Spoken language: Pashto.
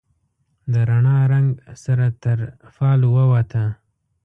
د رڼا، رنګ سره تر فال ووته